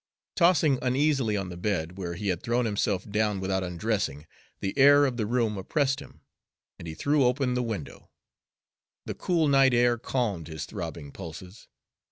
Tossing uneasily on the bed, where he had thrown himself down without undressing, the air of the room oppressed him, and he threw open the window. The cool night air calmed his throbbing pulses.